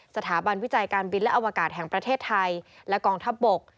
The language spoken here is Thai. สถาบันวิจัยการบินและอวกาศแห่งประเทศไทยและกองทัพบก